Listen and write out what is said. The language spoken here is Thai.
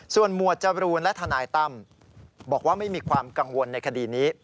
ส่วนหมวดจรูนและทนายตั้มบอกว่าไม่มีความกังวลในคดีนี้